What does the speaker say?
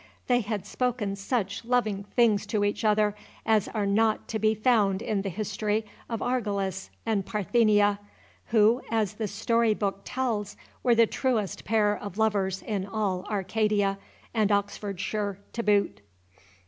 they had spoken such loving things to each other as are not to be found in the history of Argalus and Parthenia, who, as the story book tells, were the truest pair of lovers in all Arcadia, and Oxfordshire to boot."